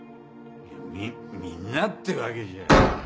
みみんなってわけじゃ。